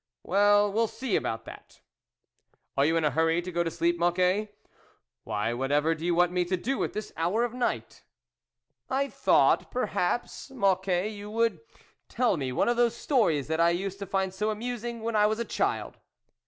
" Well, we'll see about that." " Are you in a hurry to go to sleep, Mocquet ?"" Why, whatever do you want me to do at this hour of the night ?"" I thought, perhaps, Mocquet, you would tell me one of those stories that I used to find so amusing when I was a child."